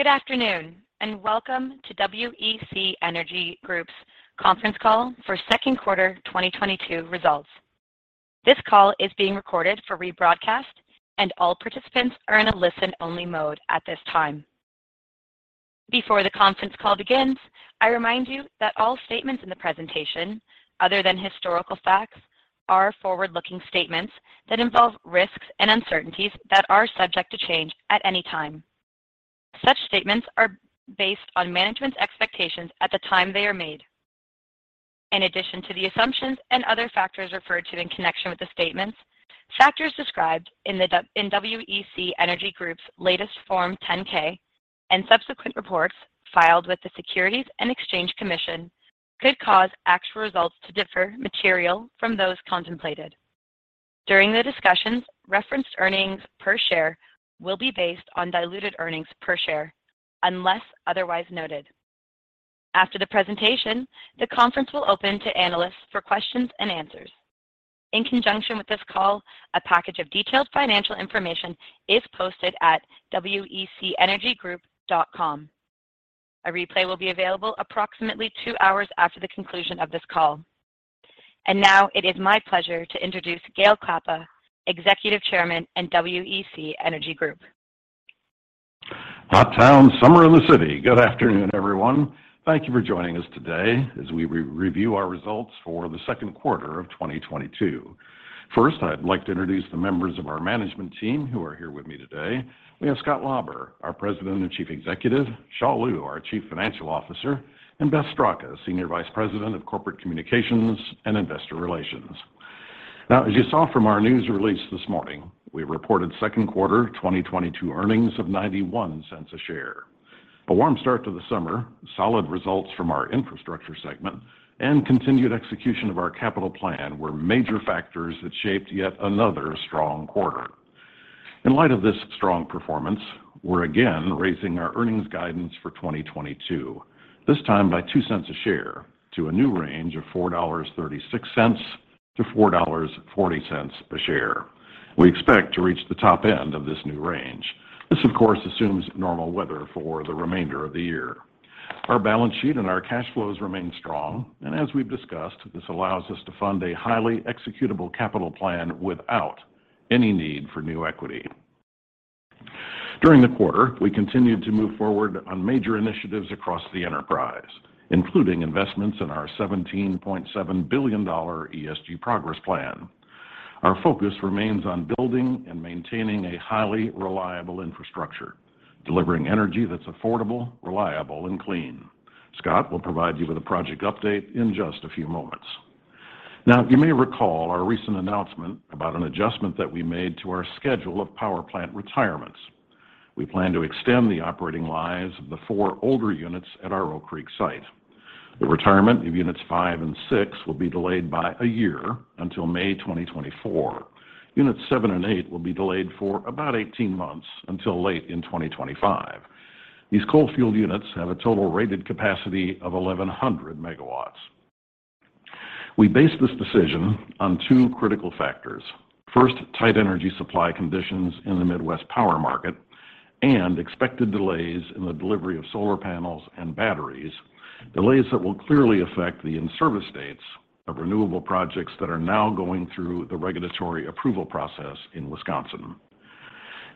Good afternoon, and welcome to WEC Energy Group's conference call for second quarter 2022 results. This call is being recorded for rebroadcast, and all participants are in a listen-only mode at this time. Before the conference call begins, I remind you that all statements in the presentation, other than historical facts, are forward-looking statements that involve risks and uncertainties that are subject to change at any time. Such statements are based on management's expectations at the time they are made. In addition to the assumptions and other factors referred to in connection with the statements, factors described in WEC Energy Group's latest Form 10-K and subsequent reports filed with the Securities and Exchange Commission could cause actual results to differ materially from those contemplated. During the discussions, referenced earnings per share will be based on diluted earnings per share unless otherwise noted. After the presentation, the conference will open to analysts for questions and answers. In conjunction with this call, a package of detailed financial information is posted at wecenergygroup.com. A replay will be available approximately two hours after the conclusion of this call. Now it is my pleasure to introduce Gale Klappa, Executive Chairman of WEC Energy Group. Hot town summer in the city. Good afternoon, everyone. Thank you for joining us today as we re-review our results for the second quarter of 2022. First, I'd like to introduce the members of our management team who are here with me today. We have Scott Lauber, our President and Chief Executive, Xia Liu, our Chief Financial Officer, and Beth Straka, Senior Vice President of Corporate Communications and Investor Relations. Now, as you saw from our news release this morning, we reported second quarter 2022 earnings of $0.91 a share. A warm start to the summer, solid results from our infrastructure segment, and continued execution of our capital plan were major factors that shaped yet another strong quarter. In light of this strong performance, we're again raising our earnings guidance for 2022, this time by $0.02 a share to a new range of $4.36-$4.40 a share. We expect to reach the top end of this new range. This, of course, assumes normal weather for the remainder of the year. Our balance sheet and our cash flows remain strong, and as we've discussed, this allows us to fund a highly executable capital plan without any need for new equity. During the quarter, we continued to move forward on major initiatives across the enterprise, including investments in our $17.7 billion ESG Progress Plan. Our focus remains on building and maintaining a highly reliable infrastructure, delivering energy that's affordable, reliable, and clean. Scott will provide you with a project update in just a few moments. Now, you may recall our recent announcement about an adjustment that we made to our schedule of power plant retirements. We plan to extend the operating lives of the four older units at our Oak Creek site. The retirement of units five and six will be delayed by a year until May 2024. Units seven and eight will be delayed for about 18 months until late in 2025. These coal-fueled units have a total rated capacity of 1,100 MW. We based this decision on two critical factors. First, tight energy supply conditions in the Midwest power market and expected delays in the delivery of solar panels and batteries, delays that will clearly affect the in-service dates of renewable projects that are now going through the regulatory approval process in Wisconsin.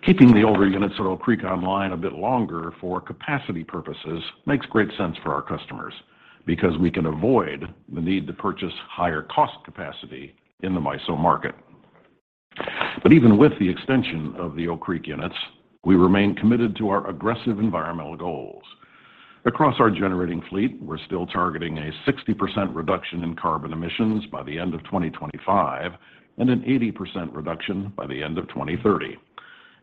Keeping the older units at Oak Creek online a bit longer for capacity purposes makes great sense for our customers because we can avoid the need to purchase higher cost capacity in the MISO market. Even with the extension of the Oak Creek units, we remain committed to our aggressive environmental goals. Across our generating fleet, we're still targeting a 60% reduction in carbon emissions by the end of 2025 and an 80% reduction by the end of 2030.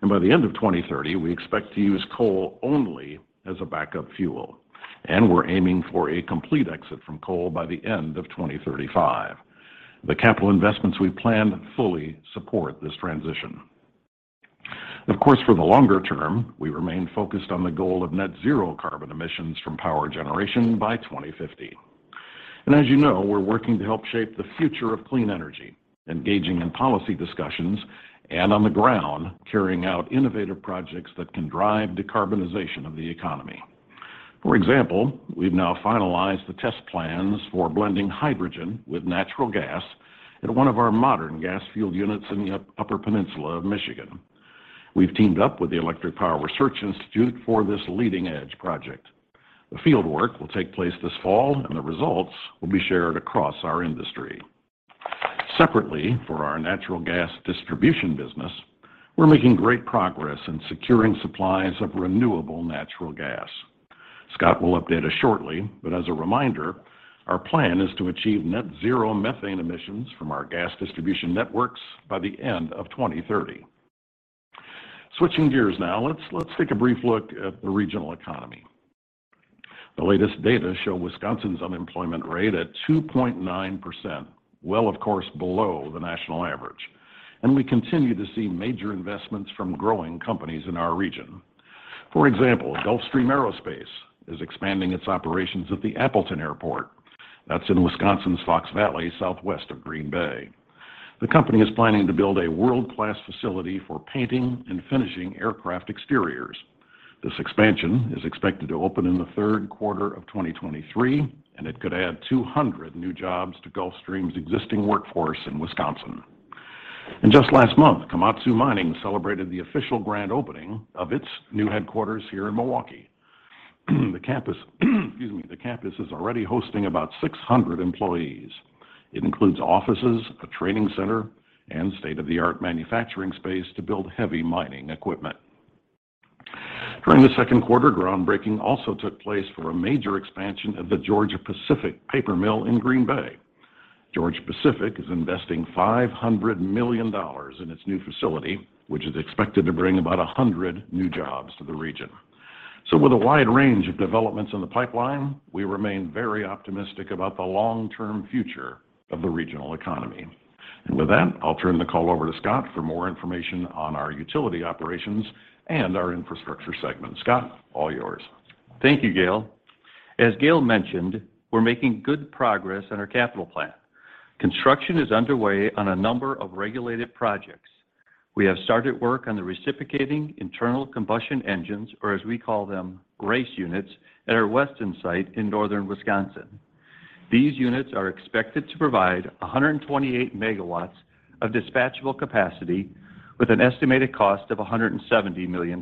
By the end of 2030, we expect to use coal only as a backup fuel, and we're aiming for a complete exit from coal by the end of 2035. The capital investments we've planned fully support this transition. Of course, for the longer term, we remain focused on the goal of net zero carbon emissions from power generation by 2050. As you know, we're working to help shape the future of clean energy, engaging in policy discussions and on the ground carrying out innovative projects that can drive decarbonization of the economy. For example, we've now finalized the test plans for blending hydrogen with natural gas at one of our modern gas-fueled units in the Upper Peninsula of Michigan. We've teamed up with the Electric Power Research Institute for this leading-edge project. The field work will take place this fall, and the results will be shared across our industry. Separately, for our natural gas distribution business, we're making great progress in securing supplies of renewable natural gas. Scott will update us shortly, but as a reminder, our plan is to achieve net zero methane emissions from our gas distribution networks by the end of 2030. Switching gears now, let's take a brief look at the regional economy. The latest data show Wisconsin's unemployment rate at 2.9%, well, of course below the national average. We continue to see major investments from growing companies in our region. For example, Gulfstream Aerospace is expanding its operations at the Appleton airport. That's in Wisconsin's Fox Valley, southwest of Green Bay. The company is planning to build a world-class facility for painting and finishing aircraft exteriors. This expansion is expected to open in the third quarter of 2023, and it could add 200 new jobs to Gulfstream's existing workforce in Wisconsin. Just last month, Komatsu Mining celebrated the official grand opening of its new headquarters here in Milwaukee. The campus is already hosting about 600 employees. It includes offices, a training center, and state-of-the-art manufacturing space to build heavy mining equipment. During the second quarter, groundbreaking also took place for a major expansion of the Georgia-Pacific paper mill in Green Bay. Georgia-Pacific is investing $500 million in its new facility, which is expected to bring about 100 new jobs to the region. With a wide range of developments in the pipeline, we remain very optimistic about the long-term future of the regional economy. With that, I'll turn the call over to Scott for more information on our utility operations and our infrastructure segment. Scott, all yours. Thank you, Gale. As Gale mentioned, we're making good progress on our capital plan. Construction is underway on a number of regulated projects. We have started work on the reciprocating internal combustion engines, or as we call them, RICE units, at our Weston site in northern Wisconsin. These units are expected to provide 128 MW of dispatchable capacity with an estimated cost of $170 million.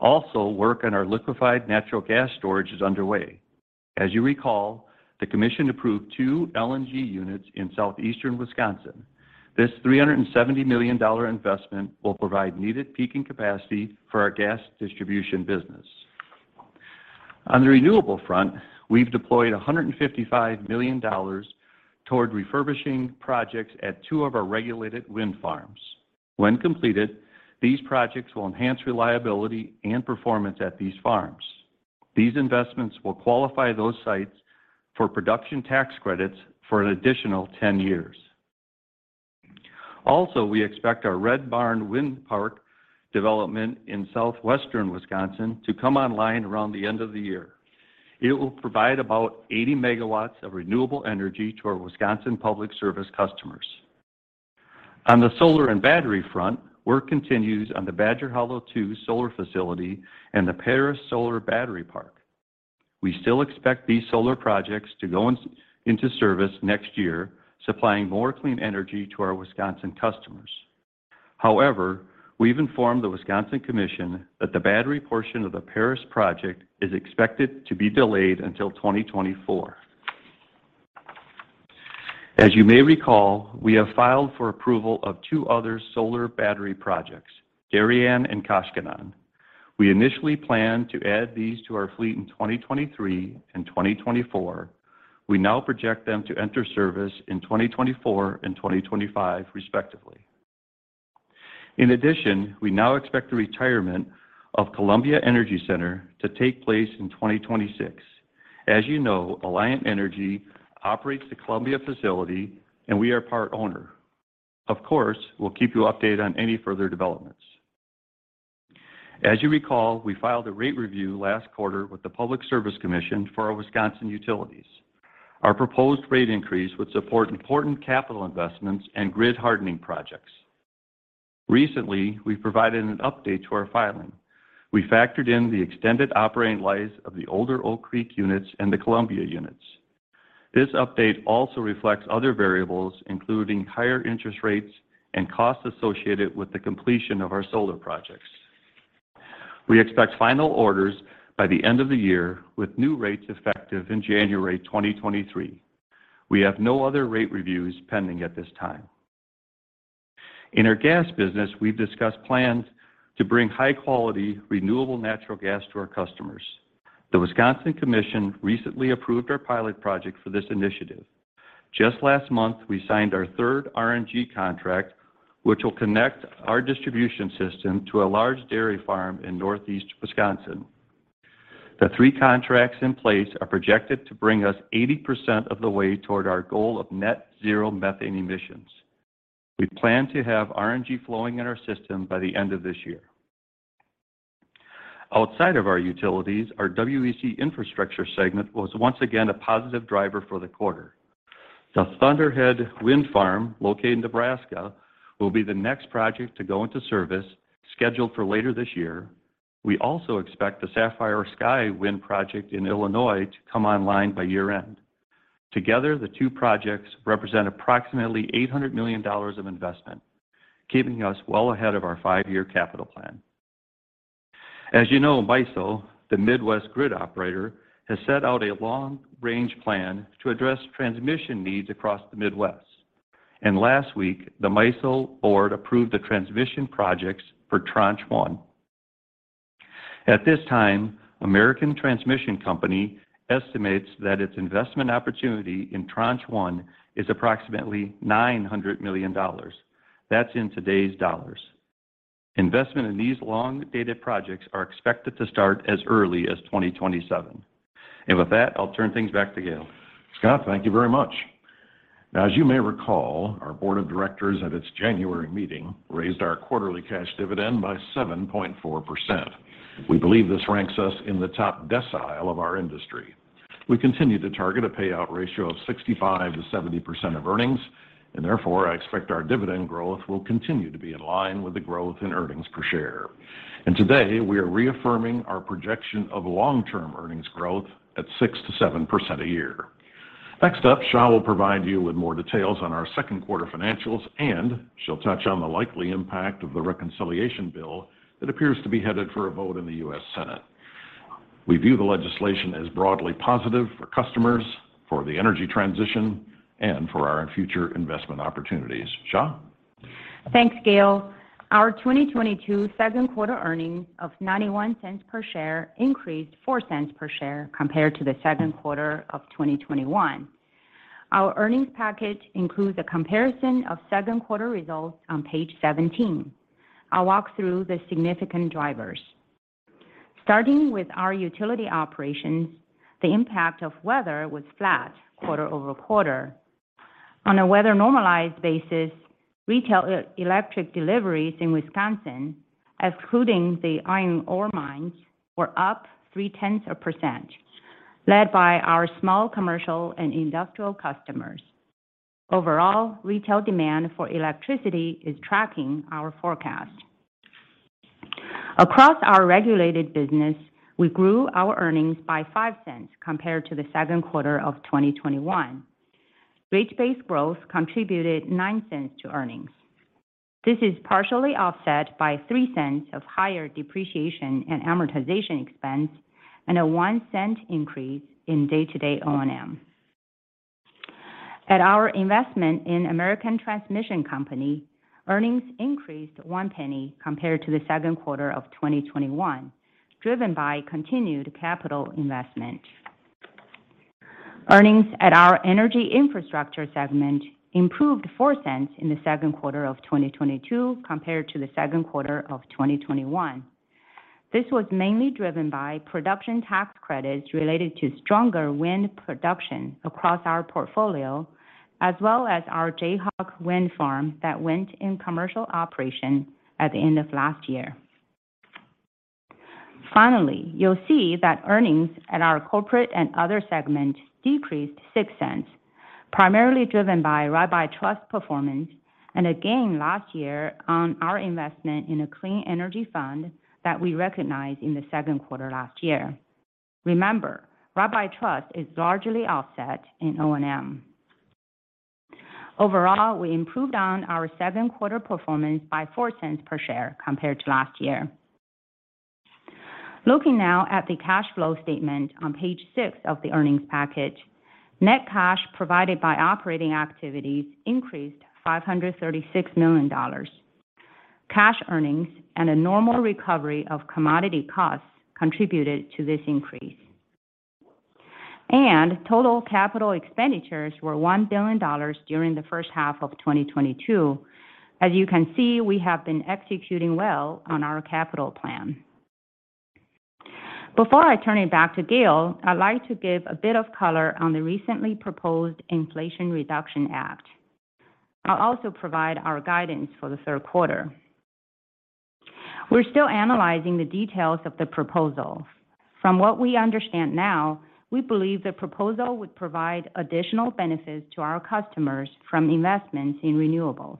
Also, work on our liquefied natural gas storage is underway. As you recall, the commission approved two LNG units in southeastern Wisconsin. This $370 million investment will provide needed peaking capacity for our gas distribution business. On the renewable front, we've deployed $155 million toward refurbishing projects at two of our regulated wind farms. When completed, these projects will enhance reliability and performance at these farms. These investments will qualify those sites for production tax credits for an additional 10 years. We expect our Red Barn Wind Park development in southwestern Wisconsin to come online around the end of the year. It will provide about 80 MW of renewable energy to our Wisconsin Public Service customers. On the solar and battery front, work continues on the Badger Hollow II solar facility and the Paris Solar-Battery Park. We still expect these solar projects to go into service next year, supplying more clean energy to our Wisconsin customers. However, we've informed the Wisconsin Commission that the battery portion of the Paris project is expected to be delayed until 2024. As you may recall, we have filed for approval of two other solar battery projects, Darien and Koshkonong. We initially planned to add these to our fleet in 2023 and 2024.We now project them to enter service in 2024 and 2025, respectively. In addition, we now expect the retirement of Columbia Energy Center to take place in 2026. As you know, Alliant Energy operates the Columbia facility, and we are part owner. Of course, we'll keep you updated on any further developments. As you recall, we filed a rate review last quarter with the Public Service Commission for our Wisconsin utilities. Our proposed rate increase would support important capital investments and grid hardening projects. Recently, we provided an update to our filing. We factored in the extended operating lives of the older Oak Creek units and the Columbia units. This update also reflects other variables, including higher interest rates and costs associated with the completion of our solar projects. We expect final orders by the end of the year, with new rates effective in January 2023. We have no other rate reviews pending at this time. In our gas business, we've discussed plans to bring high-quality, renewable natural gas to our customers. The Wisconsin Commission recently approved our pilot project for this initiative. Just last month, we signed our third RNG contract, which will connect our distribution system to a large dairy farm in northeast Wisconsin. The three contracts in place are projected to bring us 80% of the way toward our goal of net zero methane emissions. We plan to have RNG flowing in our system by the end of this year. Outside of our utilities, our WEC Infrastructure segment was once again a positive driver for the quarter. The Thunderhead Wind Farm located in Nebraska will be the next project to go into service, scheduled for later this year. We also expect the Sapphire Sky Wind project in Illinois to come online by year-end. Together, the two projects represent approximately $800 million of investment, keeping us well ahead of our five-year capital plan. As you know, MISO, the Midwest grid operator, has set out a long-range plan to address transmission needs across the Midwest. Last week, the MISO board approved the transmission projects for Tranche 1. At this time, American Transmission Company estimates that its investment opportunity in Tranche 1 is approximately $900 million. That's in today's dollars. Investment in these long-dated projects are expected to start as early as 2027. With that, I'll turn things back to Gale. Scott, thank you very much. Now, as you may recall, our board of directors at its January meeting raised our quarterly cash dividend by 7.4%. We believe this ranks us in the top decile of our industry. We continue to target a payout ratio of 65%-70% of earnings, and therefore I expect our dividend growth will continue to be in line with the growth in earnings per share. Today, we are reaffirming our projection of long-term earnings growth at 6%-7% a year. Next up, Xia will provide you with more details on our second quarter financials, and she'll touch on the likely impact of the reconciliation bill that appears to be headed for a vote in the U.S. Senate. We view the legislation as broadly positive for customers, for the energy transition, and for our future investment opportunities. Xia? Thanks, Gale. Our 2022 second quarter earnings of $0.91 per share increased $0.04 per share compared to the second quarter of 2021. Our earnings package includes a comparison of second quarter results on page 17. I'll walk through the significant drivers. Starting with our utility operations, the impact of weather was flat quarter-over-quarter. On a weather-normalized basis, retail electric deliveries in Wisconsin, excluding the iron ore mines, were up 0.3%, led by our small commercial and industrial customers. Overall, retail demand for electricity is tracking our forecast. Across our regulated business, we grew our earnings by $0.05 compared to the second quarter of 2021. Rate-based growth contributed $0.09 to earnings. This is partially offset by $0.03 of higher depreciation and amortization expense and a $0.01 increase in day-to-day O&M. At our investment in American Transmission Company, earnings increased $0.01 compared to the second quarter of 2021, driven by continued capital investment. Earnings at our energy infrastructure segment improved $0.04 in the second quarter of 2022 compared to the second quarter of 2021. This was mainly driven by production tax credits related to stronger wind production across our portfolio, as well as our Jayhawk Wind Farm that went in commercial operation at the end of last year. Finally, you'll see that earnings at our corporate and other segment decreased $0.06, primarily driven by rabbi trust performance and a gain last year on our investment in a clean energy fund that we recognized in the second quarter last year. Remember, rabbi trust is largely offset in O&M. Overall, we improved on our second quarter performance by $0.04 per share compared to last year. Looking now at the cash flow statement on page six of the earnings package, net cash provided by operating activities increased $536 million. Cash earnings and a normal recovery of commodity costs contributed to this increase. Total capital expenditures were $1 billion during the first half of 2022. As you can see, we have been executing well on our capital plan. Before I turn it back to Gale, I'd like to give a bit of color on the recently proposed Inflation Reduction Act. I'll also provide our guidance for the third quarter. We're still analyzing the details of the proposal. From what we understand now, we believe the proposal would provide additional benefits to our customers from investments in renewables.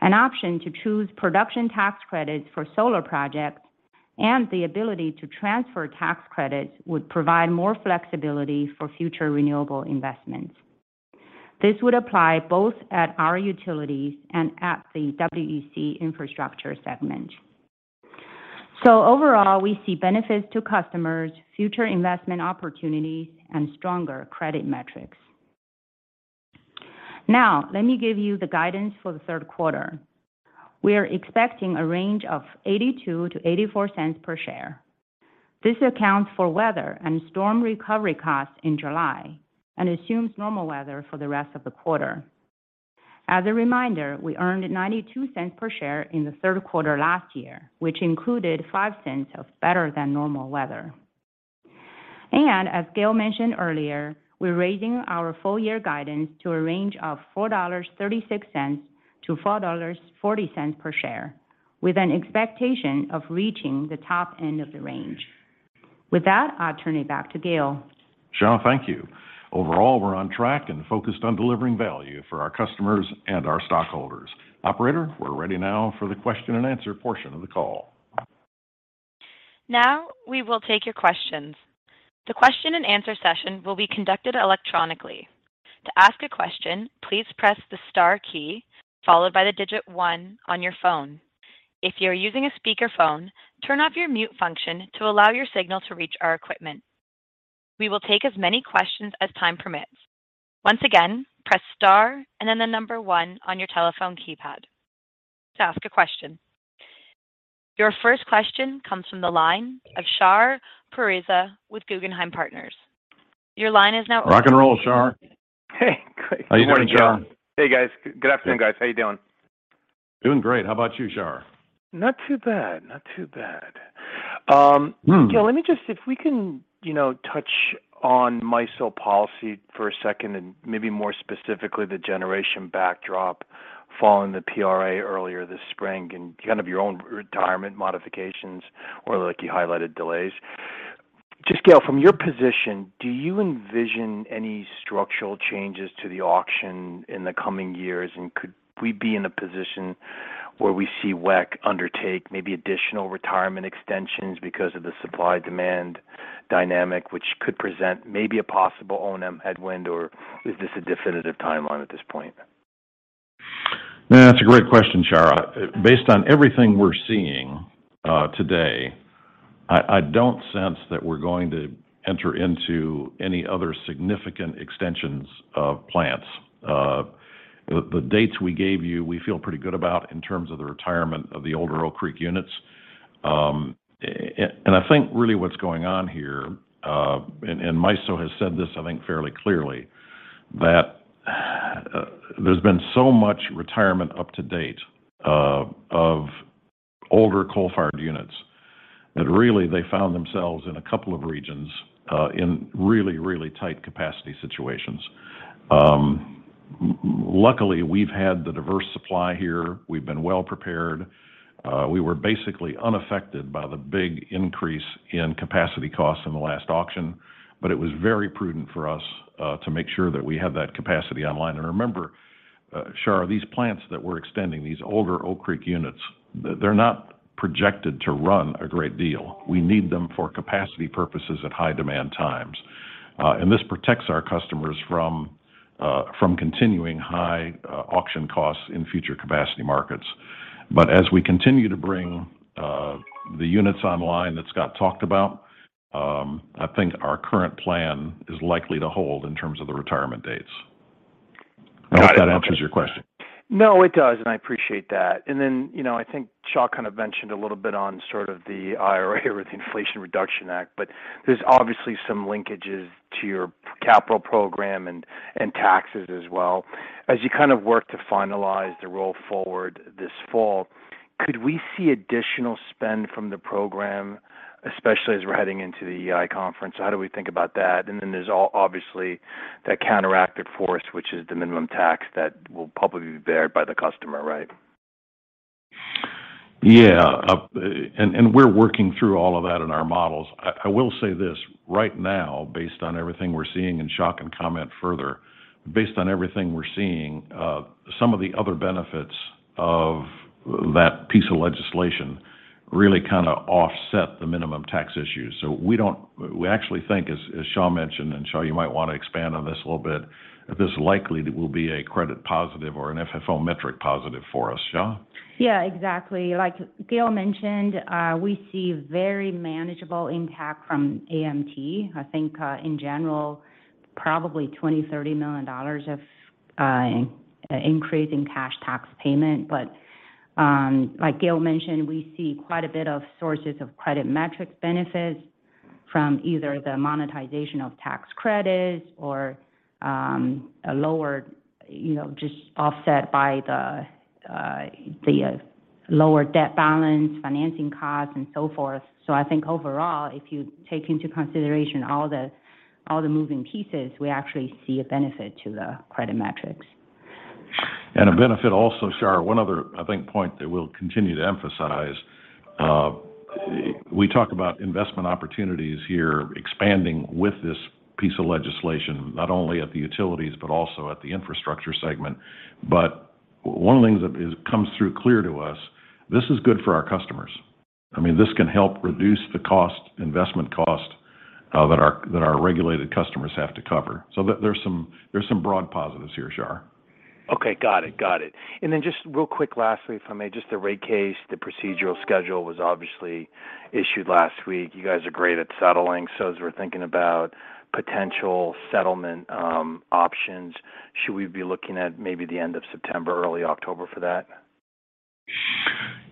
An option to choose production tax credits for solar projects and the ability to transfer tax credits would provide more flexibility for future renewable investments. This would apply both at our utilities and at the WEC Infrastructure segment. Overall, we see benefits to customers, future investment opportunities, and stronger credit metrics. Now, let me give you the guidance for the third quarter. We are expecting a range of $0.82-$0.84 per share. This accounts for weather and storm recovery costs in July and assumes normal weather for the rest of the quarter. As a reminder, we earned $0.92 per share in the third quarter last year, which included $0.05 of better than normal weather. As Gale mentioned earlier, we're raising our full year guidance to a range of $4.36-$4.40 per share, with an expectation of reaching the top end of the range. With that, I'll turn it back to Gale. Xia Liu, thank you. Overall, we're on track and focused on delivering value for our customers and our stockholders. Operator, we're ready now for the question and answer portion of the call. Now we will take your questions. The question and answer session will be conducted electronically. To ask a question, please press the star key followed by the digit one on your phone. If you are using a speakerphone, turn off your mute function to allow your signal to reach our equipment. We will take as many questions as time permits. Once again, press star and then the number one on your telephone keypad to ask a question. Your first question comes from the line of Shar Pourreza with Guggenheim Partners. Your line is now open. Rock and roll, Shar. Hey, great. Good morning, y'all. How you doing, Shar? Hey, guys. Good afternoon, guys. How you doing? Doing great. How about you, Shar? Not too bad. Hmm Gale, let me just, if we can, you know, touch on MISO policy for a second and maybe more specifically the generation backdrop. Following the PRA earlier this spring and kind of your own retirement modifications or like you highlighted delays. Just Gale, from your position, do you envision any structural changes to the auction in the coming years? And could we be in a position where we see WEC undertake maybe additional retirement extensions because of the supply/demand dynamic, which could present maybe a possible O&M headwind, or is this a definitive timeline at this point? That's a great question, Shar. Based on everything we're seeing today, I don't sense that we're going to enter into any other significant extensions of plants. The dates we gave you, we feel pretty good about in terms of the retirement of the older Oak Creek units. I think really what's going on here, and MISO has said this, I think, fairly clearly, that there's been so much retirement up to date of older coal-fired units that really they found themselves in a couple of regions in really tight capacity situations. Luckily, we've had the diverse supply here. We've been well prepared. We were basically unaffected by the big increase in capacity costs in the last auction, but it was very prudent for us to make sure that we have that capacity online. Remember, Shar, these plants that we're extending, these older Oak Creek units, they're not projected to run a great deal. We need them for capacity purposes at high demand times. This protects our customers from continuing high auction costs in future capacity markets. As we continue to bring the units online that Scott talked about, I think our current plan is likely to hold in terms of the retirement dates. Got it. I hope that answers your question. No, it does, and I appreciate that. Then, you know, I think Xia kind of mentioned a little bit on sort of the IRA or the Inflation Reduction Act, but there's obviously some linkages to your capital program and taxes as well. As you kind of work to finalize the roll forward this fall, could we see additional spend from the program, especially as we're heading into the EEI conference? How do we think about that? Then there's obviously that counteractive force, which is the minimum tax that will probably be borne by the customer, right? Yeah. We're working through all of that in our models. I will say this. Right now, based on everything we're seeing, and Xia can comment further, based on everything we're seeing, some of the other benefits of that piece of legislation really kind of offset the minimum tax issues. We actually think, as Xia mentioned, and Xia, you might want to expand on this a little bit, this likely will be a credit positive or an FFO metric positive for us. Xia? Yeah, exactly. Like Gale mentioned, we see very manageable impact from AMT. I think, in general, probably $20 million-$30 million of increase in cash tax payment. Like Gale mentioned, we see quite a bit of sources of credit metric benefits from either the monetization of tax credits or a lower just offset by the lower debt balance, financing costs, and so forth. I think overall, if you take into consideration all the moving pieces, we actually see a benefit to the credit metrics. A benefit also, Shar, one other, I think, point that we'll continue to emphasize. We talk about investment opportunities here expanding with this piece of legislation, not only at the utilities, but also at the infrastructure segment. One of the things that comes through clear to us, this is good for our customers. I mean, this can help reduce the cost, investment cost, that our regulated customers have to cover. There's some broad positives here, Shar. Okay. Got it. Then just real quick, lastly, if I may, just the rate case, the procedural schedule was obviously issued last week. You guys are great at settling. As we're thinking about potential settlement, options, should we be looking at maybe the end of September, early October for that?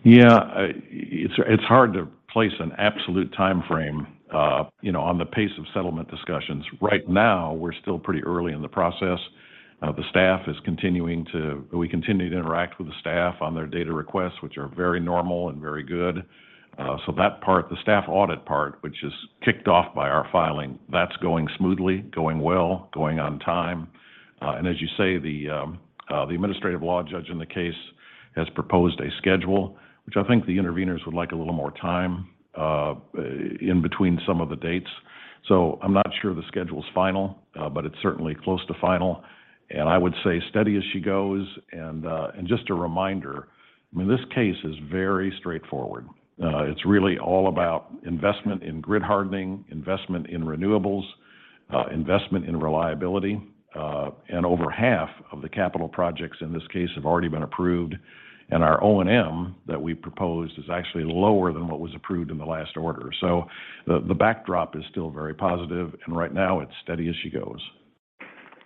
Yeah. It's hard to place an absolute timeframe, you know, on the pace of settlement discussions. Right now, we're still pretty early in the process. We continue to interact with the staff on their data requests, which are very normal and very good. So that part, the staff audit part, which is kicked off by our filing, that's going smoothly, going well, going on time. As you say, the administrative law judge in the case has proposed a schedule, which I think the interveners would like a little more time in between some of the dates. I'm not sure the schedule's final, but it's certainly close to final. Just a reminder, I mean, this case is very straightforward. It's really all about investment in grid hardening, investment in renewables, investment in reliability. Over half of the capital projects in this case have already been approved. Our O&M that we proposed is actually lower than what was approved in the last order. The backdrop is still very positive, and right now it's steady as she goes.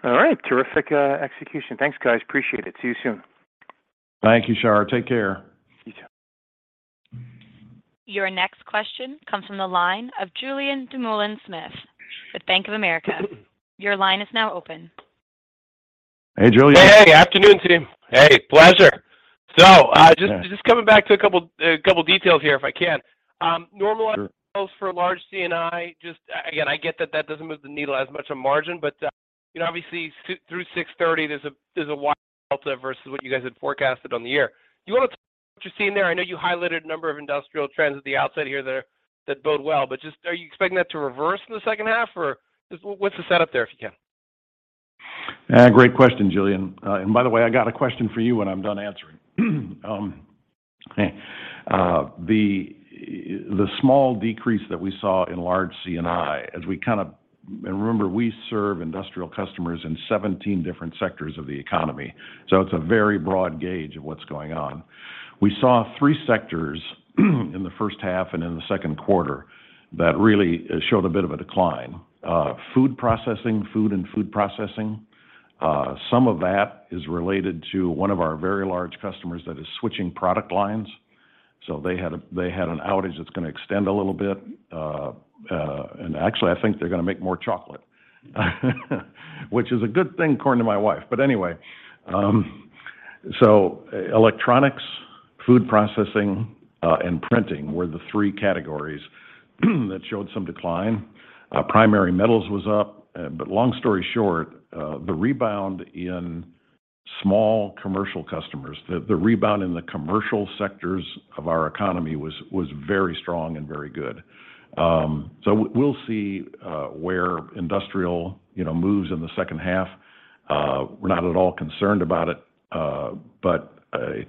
All right. Terrific, execution. Thanks, guys. Appreciate it. See you soon. Thank you, Shar. Take care. You too. Your next question comes from the line of Julien Dumoulin-Smith with Bank of America. Your line is now open. Hey, Julien. Hey, hey. Afternoon, team. Hey, pleasure. Just coming back to a couple details here, if I can. Normalized- Sure. Sales for large C&I, just again, I get that that doesn't move the needle as much on margin, but, you know, obviously as through 6/30 there's a wide delta versus what you guys had forecasted for the year. Do you want to talk about what you're seeing there? I know you highlighted a number of industrial trends at the outset here that bode well, but just are you expecting that to reverse in the second half or just what's the setup there, if you can? Great question, Julien. By the way, I got a question for you when I'm done answering. The small decrease that we saw in large C&I. Remember, we serve industrial customers in 17 different sectors of the economy, so it's a very broad gauge of what's going on. We saw three sectors in the first half and in the second quarter that really showed a bit of a decline. Food processing, some of that is related to one of our very large customers that is switching product lines, so they had an outage that's going to extend a little bit. Actually, I think they're going to make more chocolate, which is a good thing according to my wife. Electronics, food processing, and printing were the three categories that showed some decline. Primary metals was up. Long story short, the rebound in small commercial customers, the rebound in the commercial sectors of our economy was very strong and very good. We'll see where industrial, you know, moves in the second half. We're not at all concerned about it.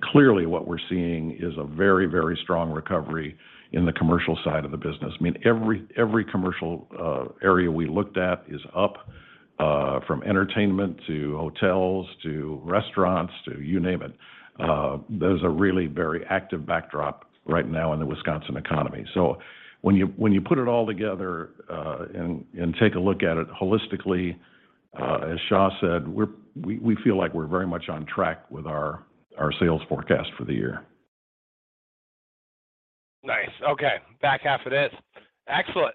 Clearly what we're seeing is a very strong recovery in the commercial side of the business. I mean, every commercial area we looked at is up from entertainment to hotels to restaurants to you name it. There's a really very active backdrop right now in the Wisconsin economy. When you put it all together and take a look at it holistically, as Xia said, we feel like we're very much on track with our sales forecast for the year. Nice. Okay. Back half of this. Excellent.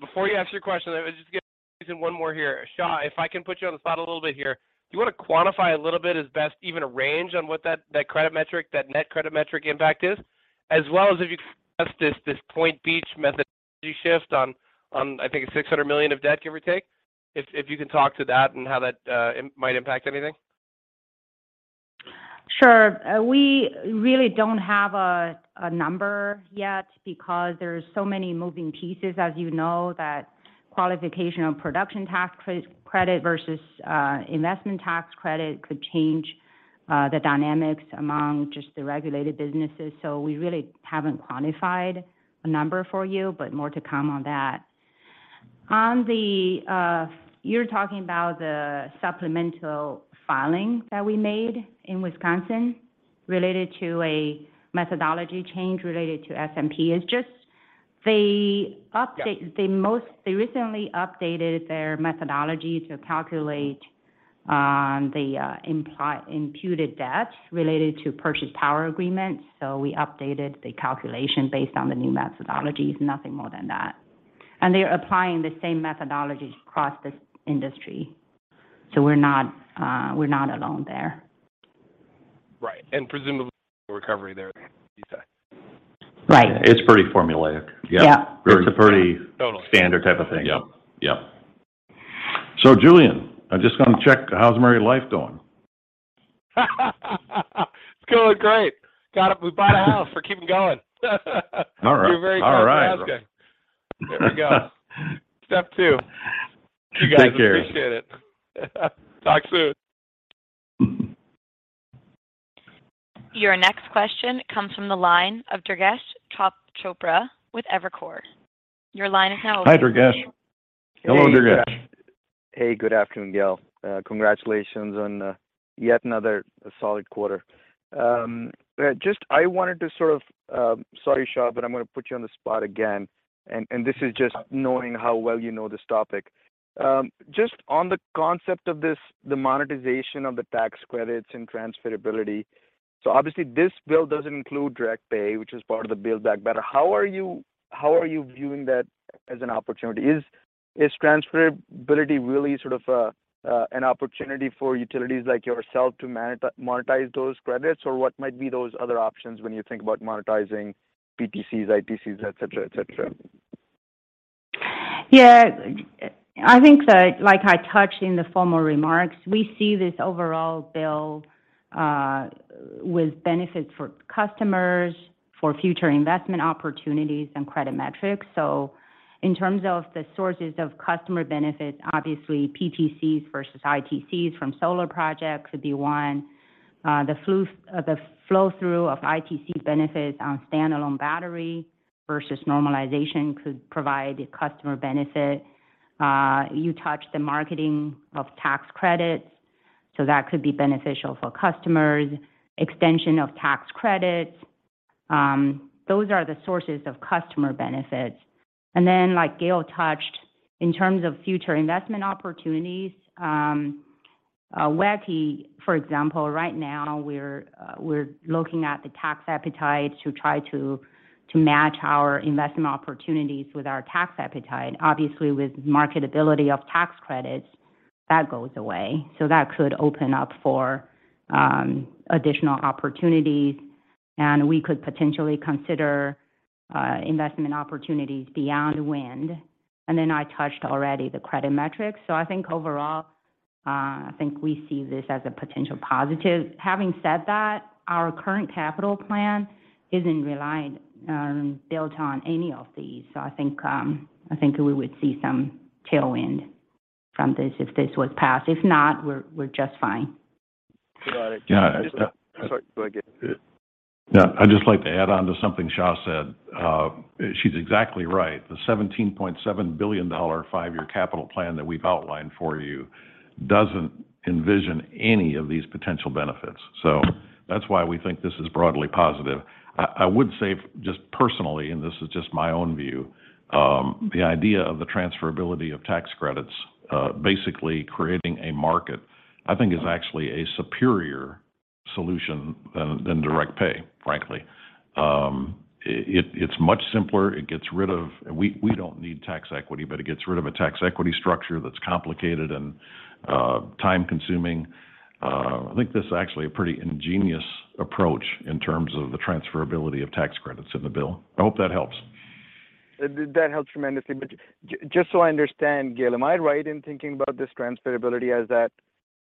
Before you ask your question, let me just get Xia in one more here. Xia, if I can put you on the spot a little bit here. Do you want to quantify a little bit as best even a range on what that credit metric, that net credit metric impact is? As well as if you could address this Point Beach methodology shift on I think it's $600 million of debt, give or take. If you can talk to that and how that might impact anything. Sure. We really don't have a number yet because there's so many moving pieces, as you know, that qualification of production tax credit versus investment tax credit could change the dynamics among just the regulated businesses. We really haven't quantified a number for you, but more to come on that. On the, you're talking about the supplemental filing that we made in Wisconsin related to a methodology change related to S&P. It's just they update. Yeah. They recently updated their methodology to calculate the imputed debt related to power purchase agreements. We updated the calculation based on the new methodologies, nothing more than that. They're applying the same methodologies across the industry. We're not alone there. Right. Presumably recovery there. Right. It's pretty formulaic. Yeah. Totally. It's a pretty standard type of thing. Yep. Yep. Julien, I'm just gonna check, how's married life going? It's going great. We bought a house. We're keeping going. All right. You're very kind for asking. There we go. Step two. Take care. You guys, appreciate it. Talk soon. Your next question comes from the line of Durgesh Chopra with Evercore. Your line is now open. Hi, Durgesh. Hello, Durgesh. Hey, good afternoon, Gale. Congratulations on yet another solid quarter. I wanted to sort of... Sorry, Xia, but I'm going to put you on the spot again, and this is just knowing how well you know this topic. Just on the concept of this, the monetization of the tax credits and transferability. Obviously this bill doesn't include direct pay, which is part of the Build Back Better. How are you viewing that as an opportunity? Is transferability really sort of an opportunity for utilities like yourself to monetize those credits? Or what might be those other options when you think about monetizing PTCs, ITCs, et cetera, et cetera? Yeah. I think that, like I touched in the formal remarks, we see this overall bill with benefits for customers, for future investment opportunities and credit metrics. In terms of the sources of customer benefits, obviously PTCs versus ITCs from solar projects could be one. The flow through of ITC benefits on standalone battery versus normalization could provide customer benefit. You touched the marketing of tax credits, so that could be beneficial for customers. Extension of tax credits. Those are the sources of customer benefits. Like Gale touched, in terms of future investment opportunities, WEC, for example, right now we're looking at the tax appetite to try to match our investment opportunities with our tax appetite. Obviously, with marketability of tax credits. That goes away. That could open up for additional opportunities, and we could potentially consider investment opportunities beyond wind. Then I touched already the credit metrics. I think overall, I think we see this as a potential positive. Having said that, our current capital plan isn't reliant, built on any of these. I think we would see some tailwind from this if this was passed. If not, we're just fine. Got it. Yeah. Sorry, go again. Yeah. I'd just like to add on to something Xia said. She's exactly right. The $17.7 billion five-year capital plan that we've outlined for you doesn't envision any of these potential benefits. That's why we think this is broadly positive. I would say just personally, and this is just my own view, the idea of the transferability of tax credits, basically creating a market, I think is actually a superior solution than direct pay, frankly. It's much simpler. It gets rid of. We don't need tax equity, but it gets rid of a tax equity structure that's complicated and time-consuming. I think this is actually a pretty ingenious approach in terms of the transferability of tax credits in the bill. I hope that helps. That helps tremendously. Just so I understand, Gale, am I right in thinking about this transferability as that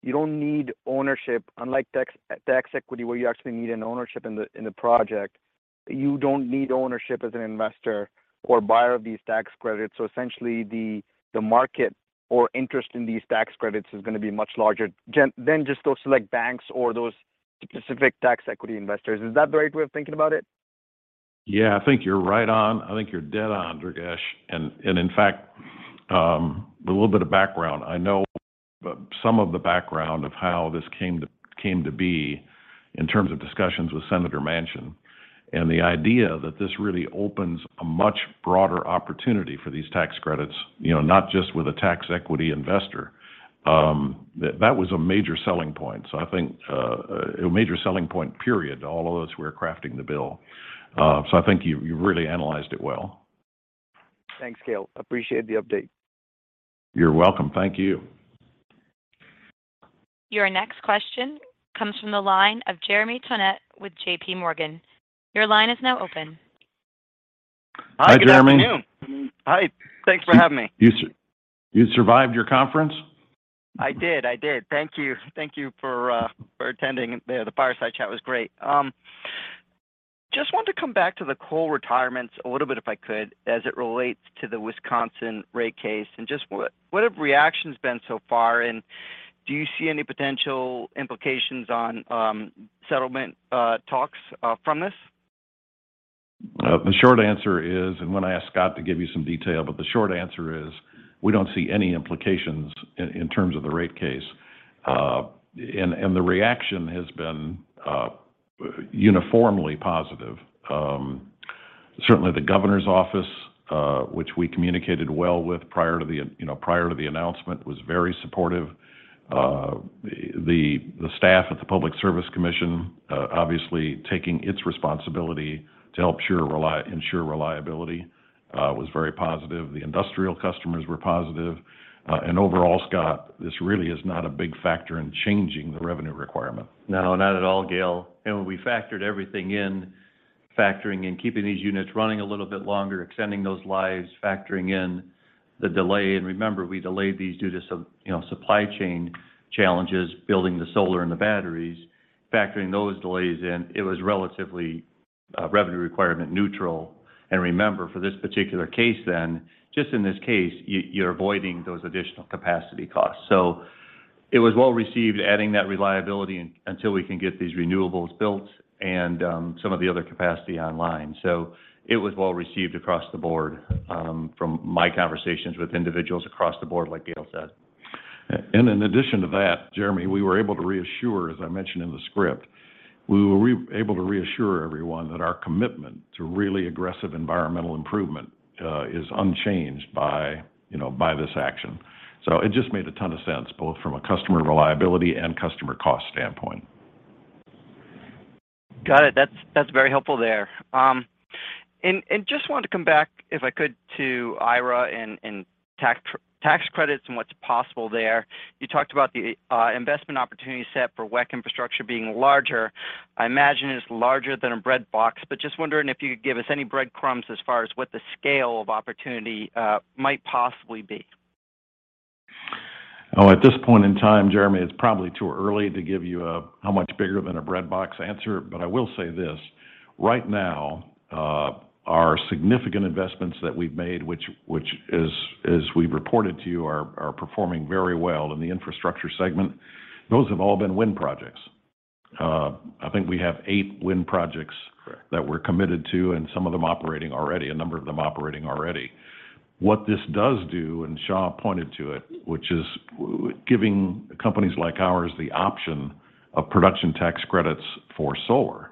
you don't need ownership, unlike tax equity, where you actually need an ownership in the project? You don't need ownership as an investor or buyer of these tax credits, so essentially the market or interest in these tax credits is gonna be much larger than just those select banks or those specific tax equity investors. Is that the right way of thinking about it? Yeah, I think you're right on. I think you're dead on, Durgesh. In fact, a little bit of background. I know some of the background of how this came to be in terms of discussions with Senator Manchin. The idea that this really opens a much broader opportunity for these tax credits, you know, not just with a tax equity investor, that was a major selling point. I think a major selling point, period, to all of us who were crafting the bill. I think you really analyzed it well. Thanks, Gale. Appreciate the update. You're welcome. Thank you. Your next question comes from the line of Jeremy Tonet with JPMorgan. Your line is now open. Hi, Jeremy. Hi, good afternoon. Hi, thanks for having me. You survived your conference? I did. Thank you for attending. The fireside chat was great. Just wanted to come back to the coal retirements a little bit, if I could, as it relates to the Wisconsin rate case, and just what have reactions been so far, and do you see any potential implications on settlement talks from this? The short answer is, and I'm gonna ask Scott to give you some detail, but the short answer is we don't see any implications in terms of the rate case. The reaction has been uniformly positive. Certainly the governor's office, which we communicated well with prior to the, you know, prior to the announcement, was very supportive. The staff at the Public Service Commission, obviously taking its responsibility to ensure reliability, was very positive. The industrial customers were positive. Overall, Scott, this really is not a big factor in changing the revenue requirement. No, not at all, Gale. We factored everything in, factoring in keeping these units running a little bit longer, extending those lives, factoring in the delay. Remember, we delayed these due to some, you know, supply chain challenges, building the solar and the batteries, factoring those delays in. It was relatively revenue requirement neutral. Remember, for this particular case then, just in this case, you're avoiding those additional capacity costs. It was well received adding that reliability until we can get these renewables built and some of the other capacity online. It was well received across the board from my conversations with individuals across the board, like Gale said. In addition to that, Jeremy, we were able to reassure, as I mentioned in the script, everyone that our commitment to really aggressive environmental improvement is unchanged by, you know, by this action. It just made a ton of sense, both from a customer reliability and customer cost standpoint. Got it. That's very helpful there. Just wanted to come back, if I could, to IRA and tax credits and what's possible there. You talked about the investment opportunity set for WEC Infrastructure being larger. I imagine it's larger than a breadbox, but just wondering if you could give us any breadcrumbs as far as what the scale of opportunity might possibly be. Oh, at this point in time, Jeremy, it's probably too early to give you a how much bigger than a breadbox answer. I will say this. Right now, our significant investments that we've made, which as we've reported to you, are performing very well in the infrastructure segment, those have all been wind projects. I think we have eight wind projects. Correct. That we're committed to, and some of them operating already, a number of them operating already. What this does do, Xia pointed to it, which is giving companies like ours the option of production tax credits for solar.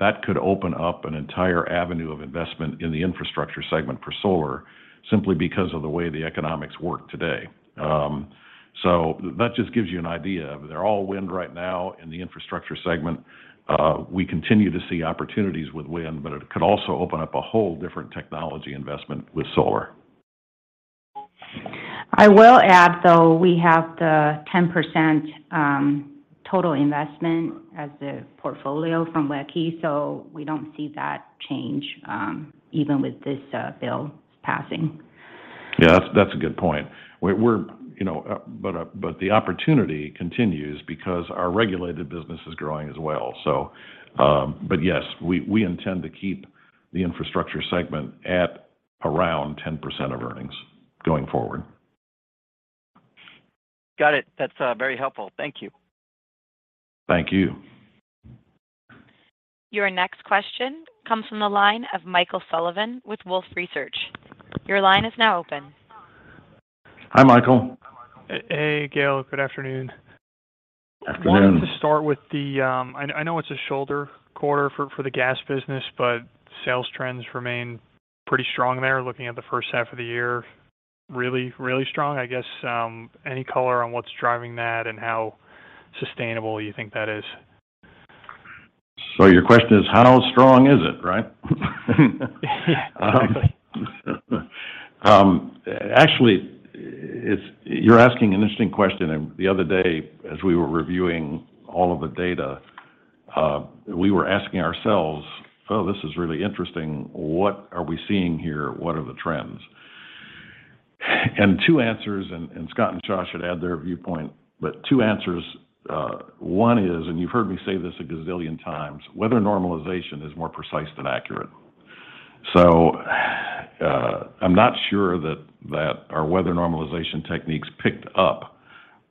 That could open up an entire avenue of investment in the infrastructure segment for solar, simply because of the way the economics work today. That just gives you an idea that they're all wind right now in the infrastructure segment. We continue to see opportunities with wind, but it could also open up a whole different technology investment with solar. I will add though, we have the 10% total investment as the portfolio from WEC Infrastructure. We don't see that change even with this bill passing. Yeah, that's a good point. The opportunity continues because our regulated business is growing as well. Yes, we intend to keep the infrastructure segment at around 10% of earnings going forward. Got it. That's very helpful. Thank you. Thank you. Your next question comes from the line of Michael Sullivan with Wolfe Research. Your line is now open. Hi, Michael. Hey, Gale. Good afternoon. Afternoon. I wanted to start with the. I know it's a shoulder quarter for the gas business, but sales trends remain pretty strong there, looking at the first half of the year, really strong. I guess, any color on what's driving that and how sustainable you think that is? Your question is how strong is it, right? Yeah, exactly. Actually, you're asking an interesting question. The other day, as we were reviewing all of the data, we were asking ourselves, "Oh, this is really interesting. What are we seeing here? What are the trends?" Two answers, and Scott and Josh should add their viewpoint, but two answers. One is, and you've heard me say this a gazillion times, weather normalization is more precise than accurate. I'm not sure that our weather normalization techniques picked up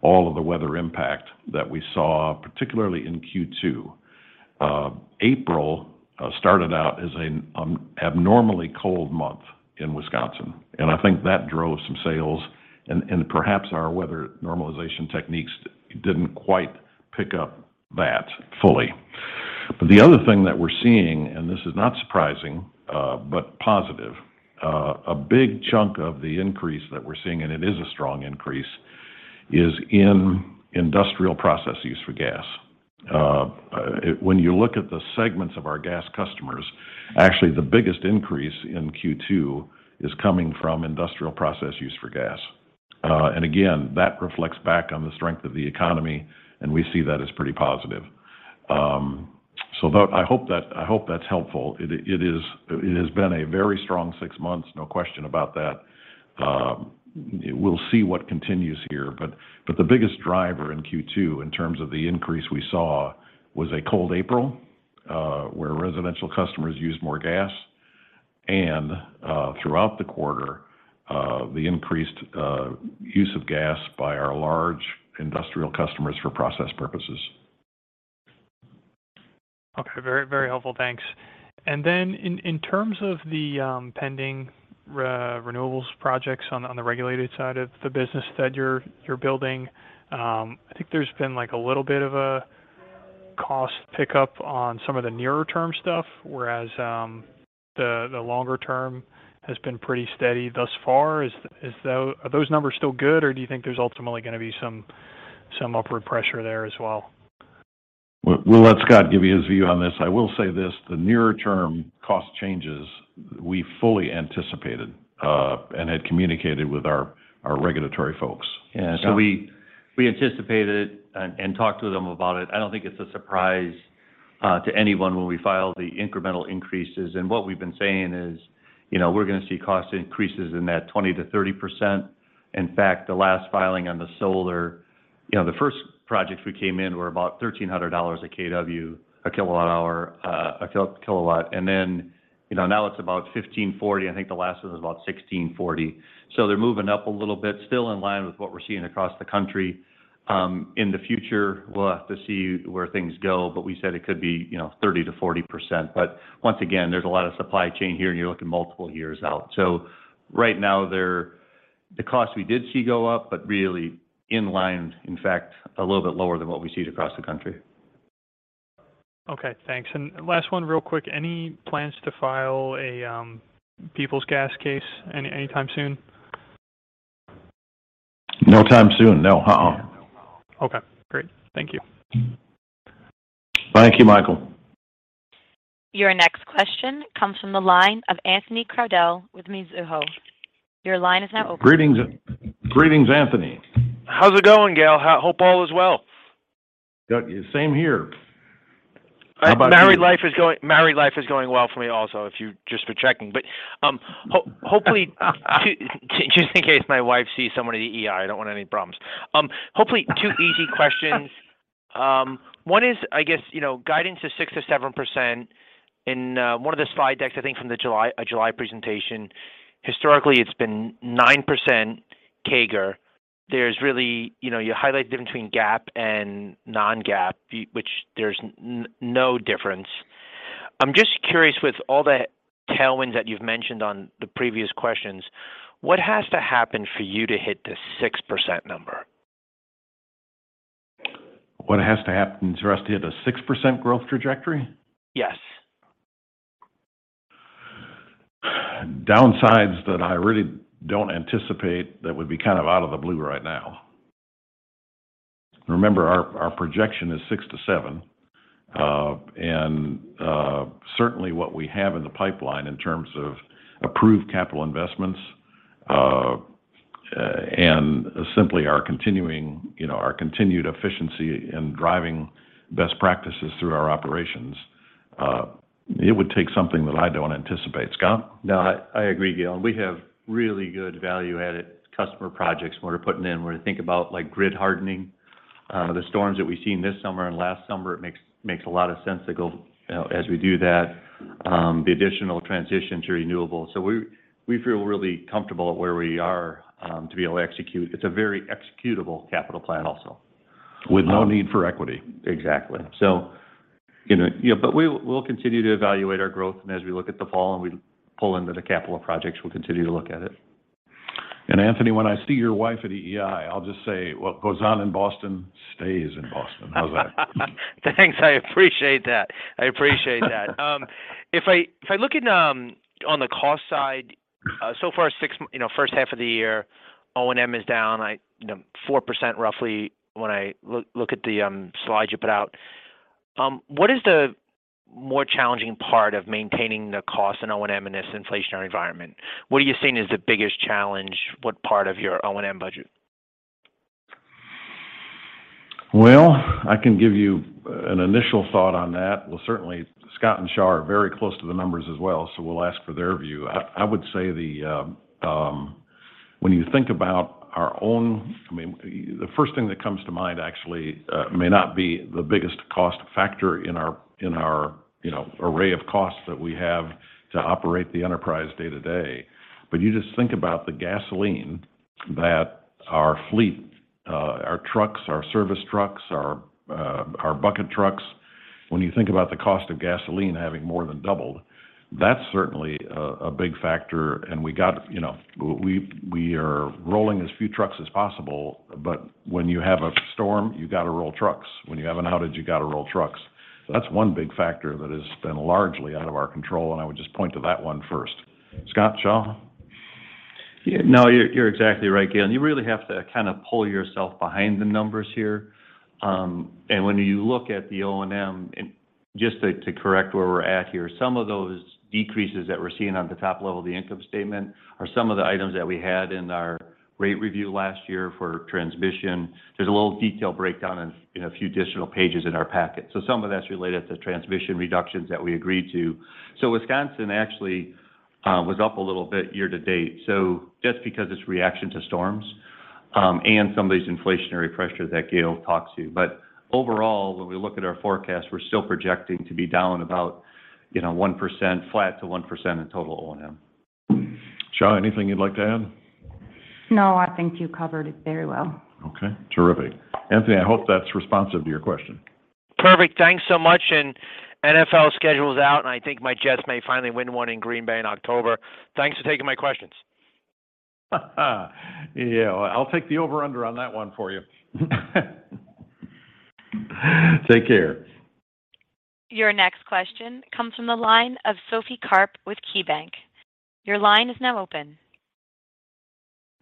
all of the weather impact that we saw, particularly in Q2. April started out as an abnormally cold month in Wisconsin, and I think that drove some sales and perhaps our weather normalization techniques didn't quite pick up that fully. The other thing that we're seeing, and this is not surprising, but positive, a big chunk of the increase that we're seeing, and it is a strong increase, is in industrial processes for gas. When you look at the segments of our gas customers, actually the biggest increase in Q2 is coming from industrial process use for gas. And again, that reflects back on the strength of the economy, and we see that as pretty positive. I hope that's helpful. It has been a very strong six months, no question about that. We'll see what continues here, but the biggest driver in Q2 in terms of the increase we saw was a cold April, where residential customers used more gas and throughout the quarter, the increased use of gas by our large industrial customers for process purposes. Okay. Very, very helpful. Thanks. Then in terms of the pending renewables projects on the regulated side of the business that you're building, I think there's been like a little bit of a cost pickup on some of the nearer term stuff, whereas the longer term has been pretty steady thus far. Are those numbers still good, or do you think there's ultimately gonna be some upward pressure there as well? We'll let Scott give you his view on this. I will say this, the nearer term cost changes, we fully anticipated, and had communicated with our regulatory folks. Yeah. We anticipated and talked to them about it. I don't think it's a surprise to anyone when we file the incremental increases. What we've been saying is, you know, we're gonna see cost increases in that 20%-30%. In fact, the last filing on the solar, you know, the first projects we came in were about $1,300 a kW, a kilowatt hour, a kilowatt. Then, you know, now it's about $1,540. I think the last one was about $1,640. They're moving up a little bit, still in line with what we're seeing across the country. In the future, we'll have to see where things go, but we said it could be, you know, 30%-40%. Once again, there's a lot of supply chain here, and you're looking multiple years out. Right now, the cost we did see go up, but really in line, in fact, a little bit lower than what we see it across the country. Okay, thanks. Last one real quick. Any plans to file a Peoples Gas case anytime soon? No time soon. No. Okay, great. Thank you. Thank you, Michael. Your next question comes from the line of Anthony Crowdell with Mizuho. Your line is now open. Greetings, Anthony. How's it going, Gale? Hope all is well. Got you. Same here. How about you? Married life is going well for me also, if you're just checking. Hopefully just in case my wife sees someone in the alley, I don't want any problems. Hopefully two easy questions. One is, I guess, you know, guidance is 6%-7% in one of the slide decks, I think from the July presentation. Historically, it's been 9% CAGR. There's really, you know, you highlight the difference between GAAP and non-GAAP, which there's no difference. I'm just curious with all the tailwinds that you've mentioned on the previous questions, what has to happen for you to hit the 6% number? What has to happen for us to hit a 6% growth trajectory? Yes. Downsides that I really don't anticipate that would be kind of out of the blue right now. Remember, our projection is 6%-7%. Certainly what we have in the pipeline in terms of approved capital investments, and simply our continuing, you know, our continued efficiency in driving best practices through our operations, it would take something that I don't anticipate. Scott? No, I agree, Gale. We have really good value-added customer projects we're putting in, where we think about, like, grid hardening. The storms that we've seen this summer and last summer, it makes a lot of sense to go, you know, as we do that, the additional transition to renewables. We feel really comfortable at where we are to be able to execute. It's a very executable capital plan also. With no need for equity. Exactly. You know, yeah, but we'll continue to evaluate our growth, and as we look at the fall, and we pull into the capital projects, we'll continue to look at it. Anthony, when I see your wife at EEI, I'll just say, "What goes on in Boston, stays in Boston." How's that? Thanks. I appreciate that. If I look at on the cost side, so far, you know, first half of the year, O&M is down, you know, 4% roughly, when I look at the slides you put out. What is the more challenging part of maintaining the cost in O&M in this inflationary environment? What are you seeing as the biggest challenge? What part of your O&M budget? Well, I can give you an initial thought on that. Well, certainly Scott and Xia are very close to the numbers as well, so we'll ask for their view. I would say, I mean, the first thing that comes to mind actually may not be the biggest cost factor in our, you know, array of costs that we have to operate the enterprise day-to-day. You just think about the gasoline that our fleet, our trucks, our service trucks, our bucket trucks. When you think about the cost of gasoline having more than doubled, that's certainly a big factor. You know, we are rolling as few trucks as possible, but when you have a storm, you gotta roll trucks. When you have an outage, you gotta roll trucks. That's one big factor that has been largely out of our control, and I would just point to that one first. Scott, Xia? Yeah. No, you're exactly right, Gale. You really have to kind of pull yourself behind the numbers here. When you look at the O&M, and just to correct where we're at here, some of those decreases that we're seeing on the top level of the income statement are some of the items that we had in our rate review last year for transmission. There's a little detail breakdown in a few additional pages in our packet. Some of that's related to transmission reductions that we agreed to. Wisconsin actually was up a little bit year to date, just because it's reaction to storms, and some of these inflationary pressures that Gale talked to. Overall, when we look at our forecast, we're still projecting to be down about 1%, flat to 1% in total O&M. Xia, anything you'd like to add? No, I think you covered it very well. Okay. Terrific. Anthony, I hope that's responsive to your question. Perfect. Thanks so much, and NFL schedule's out, and I think my Jets may finally win one in Green Bay in October. Thanks for taking my questions. Yeah. I'll take the over-under on that one for you. Take care. Your next question comes from the line of Sophie Karp with KeyBanc. Your line is now open.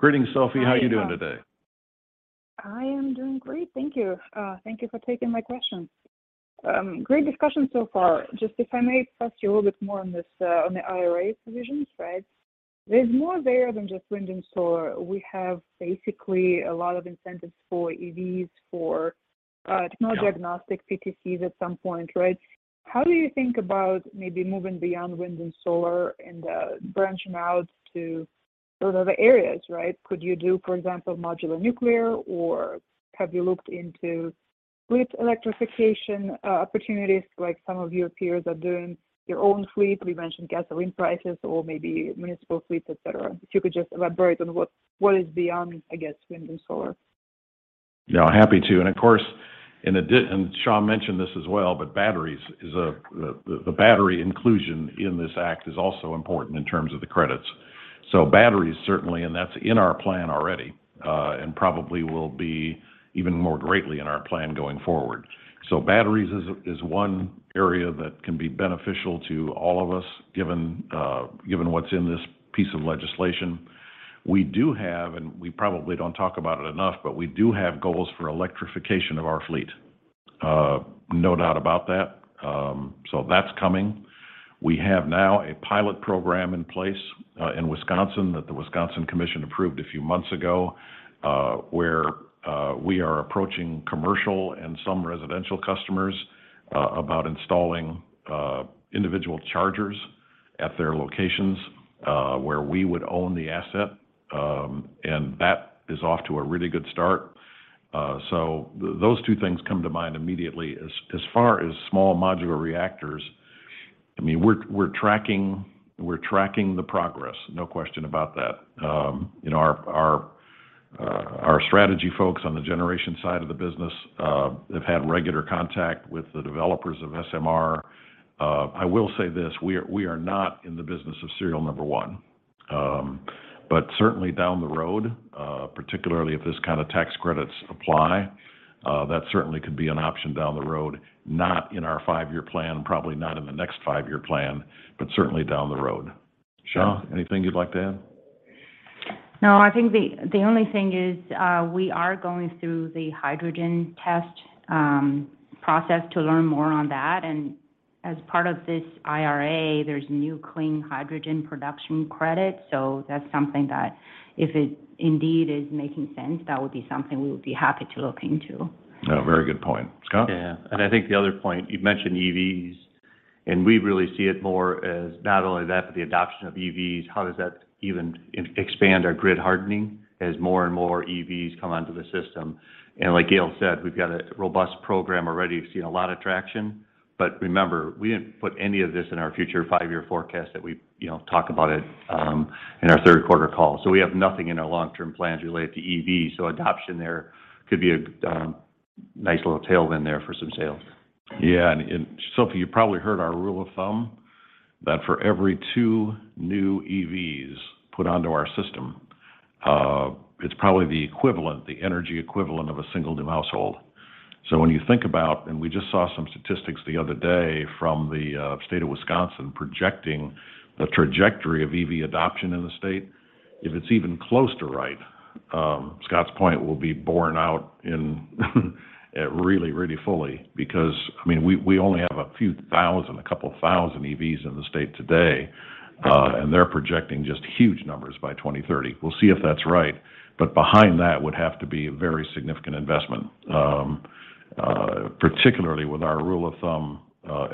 Greetings, Sophie. How you doing today? I am doing great. Thank you. Thank you for taking my question. Great discussion so far. Just if I may press you a little bit more on this, on the IRA provisions, right? There's more there than just wind and solar. We have basically a lot of incentives for EVs, for, technology agnostic PTCs at some point, right? How do you think about maybe moving beyond wind and solar and, branching out to those other areas, right? Could you do, for example, modular nuclear, or have you looked into fleet electrification, opportunities like some of your peers are doing their own fleet? We mentioned gasoline prices or maybe municipal fleets, et cetera. If you could just elaborate on what is beyond, I guess, wind and solar. Yeah, happy to. Of course, Xia mentioned this as well, but batteries is a, the battery inclusion in this act is also important in terms of the credits. Batteries certainly, and that's in our plan already, and probably will be even more greatly in our plan going forward. Batteries is one area that can be beneficial to all of us, given what's in this piece of legislation. We do have, and we probably don't talk about it enough, but we do have goals for electrification of our fleet. No doubt about that. That's coming. We have now a pilot program in place in Wisconsin that the Wisconsin Commission approved a few months ago, where we are approaching commercial and some residential customers about installing individual chargers at their locations, where we would own the asset. That is off to a really good start. Those two things come to mind immediately. As far as small modular reactors, I mean, we're tracking the progress. No question about that. You know, our strategy folks on the generation side of the business have had regular contact with the developers of SMR. I will say this, we are not in the business of serial number one. Certainly down the road, particularly if this kind of tax credits apply, that certainly could be an option down the road. Not in our five-year plan, probably not in the next five-year plan, but certainly down the road. Xia, anything you'd like to add? No, I think the only thing is, we are going through the hydrogen test process to learn more on that. As part of this IRA, there's new clean hydrogen production credit. That's something that if it indeed is making sense, that would be something we would be happy to look into. Oh, very good point. Scott? Yeah. I think the other point, you've mentioned EVs, and we really see it more as not only that, but the adoption of EVs, how does that expand our grid hardening as more and more EVs come onto the system? Like Gale said, we've got a robust program already. We've seen a lot of traction. Remember, we didn't put any of this in our future five-year forecast that we, you know, talk about it in our third quarter call. We have nothing in our long-term plans related to EVs. Adoption there could be a nice little tailwind there for some sales. Yeah. Sophie, you probably heard our rule of thumb that for every two new EVs put onto our system, it's probably the energy equivalent of a single household. When you think about, we just saw some statistics the other day from the State of Wisconsin projecting the trajectory of EV adoption in the state. If it's even close to right, Scott's point will be borne out in really fully because, I mean, we only have a few thousand, a couple thousand EVs in the state today, and they're projecting just huge numbers by 2030. We'll see if that's right. Behind that would have to be a very significant investment, particularly with our rule of thumb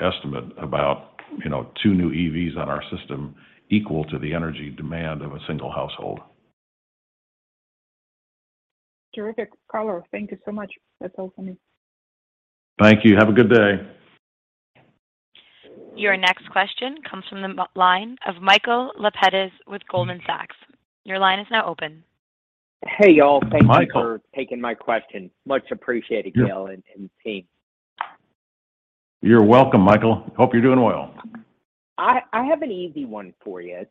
estimate about, you know, two new EVs on our system equal to the energy demand of a single household. Terrific color. Thank you so much. That's all for me. Thank you. Have a good day. Your next question comes from the line of Michael Lapides with Goldman Sachs. Your line is now open. Hey, y'all. Michael. Thank you for taking my question. Much appreciated, Gale. Yeah Team. You're welcome, Michael. Hope you're doing well. I have an easy one for you.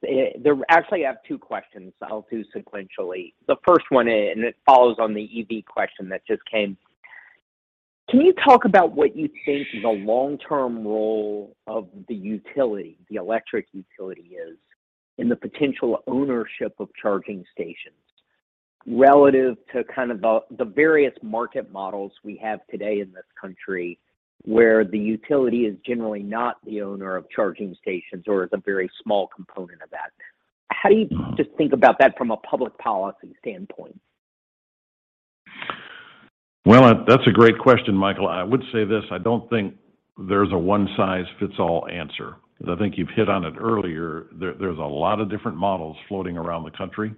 Actually, I have two questions. I'll do sequentially. The first one, it follows on the EV question that just came. Can you talk about what you think the long-term role of the utility, the electric utility is in the potential ownership of charging stations relative to kind of the various market models we have today in this country where the utility is generally not the owner of charging stations or is a very small component of that? How do you just think about that from a public policy standpoint? Well, that's a great question, Michael. I would say this, I don't think there's a one-size-fits-all answer. I think you've hit on it earlier. There's a lot of different models floating around the country,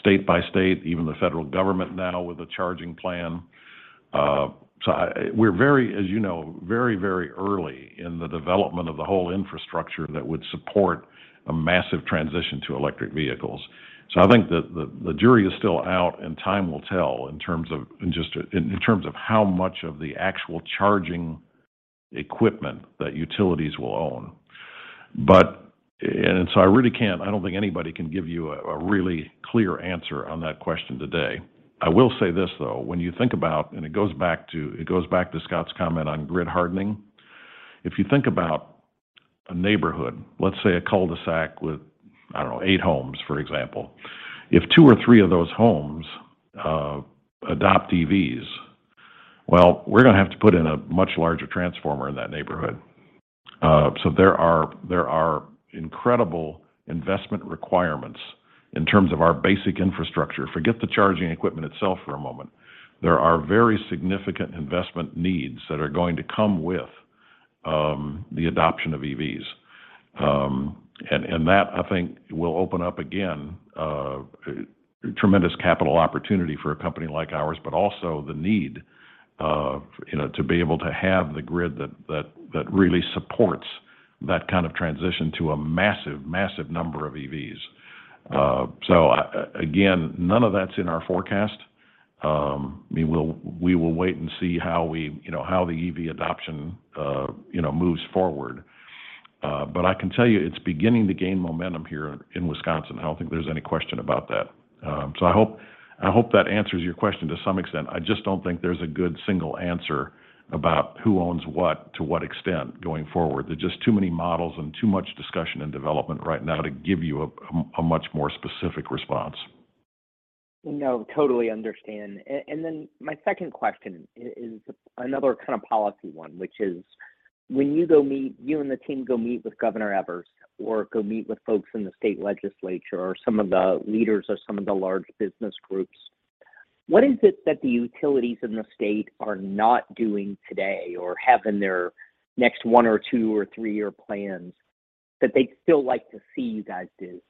state by state, even the federal government now with a charging plan. We're very, as you know, very early in the development of the whole infrastructure that would support a massive transition to electric vehicles. I think that the jury is still out and time will tell in terms of how much of the actual charging equipment that utilities will own. I really can't. I don't think anybody can give you a really clear answer on that question today. I will say this, though. When you think about, it goes back to Scott's comment on grid hardening. If you think about a neighborhood, let's say a cul-de-sac with, I don't know, eight homes, for example. If two or three of those homes adopt EVs, well, we're gonna have to put in a much larger transformer in that neighborhood. So there are incredible investment requirements in terms of our basic infrastructure. Forget the charging equipment itself for a moment. There are very significant investment needs that are going to come with the adoption of EVs. That I think will open up again tremendous capital opportunity for a company like ours, but also the need, you know, to be able to have the grid that really supports that kind of transition to a massive number of EVs. Again, none of that's in our forecast. I mean, we will wait and see how we, you know, how the EV adoption, you know, moves forward. I can tell you it's beginning to gain momentum here in Wisconsin. I don't think there's any question about that. I hope that answers your question to some extent. I just don't think there's a good single answer about who owns what to what extent going forward. There are just too many models and too much discussion and development right now to give you a much more specific response. No, totally understand. And then my second question is another kind of policy one, which is when you and the team go meet with Governor Evers or go meet with folks in the state legislature or some of the leaders of some of the large business groups, what is it that the utilities in the state are not doing today or have in their next one or two or three-year plans that they'd still like to see you guys do?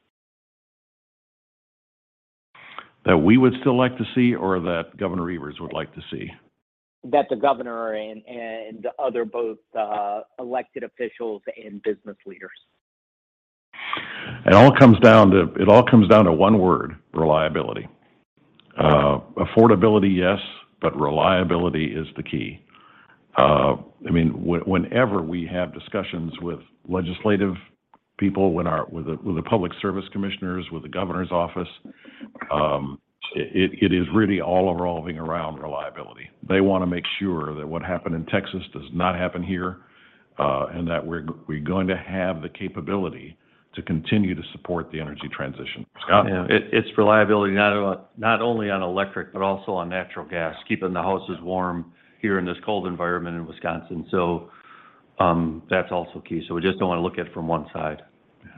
That we would still like to see or that Governor Evers would like to see? That the Governor and the other both elected officials and business leaders. It all comes down to one word, reliability. Affordability, yes, but reliability is the key. I mean, whenever we have discussions with legislative people, with the public service commissioners, with the governor's office, it is really all revolving around reliability. They want to make sure that what happened in Texas does not happen here, and that we're going to have the capability to continue to support the energy transition. Scott? Yeah. It's reliability not only on electric, but also on natural gas, keeping the houses warm here in this cold environment in Wisconsin. That's also key. We just don't want to look at it from one side. Yeah.